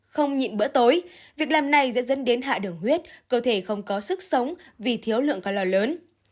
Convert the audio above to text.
không nhịn bữa tối việc làm này sẽ dẫn đến hạ đường huyết cơ thể không có sức sống vì thiếu lượng ca lò lớn